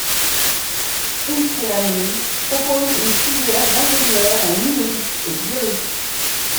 Yncréa Nîmes propose une filière d'ingénieurs en Numérique et Biologie.